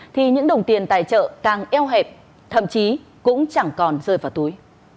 thì những đồng tiền tài trợ càng eo hẹp thậm chí cũng chẳng còn rơi vào túi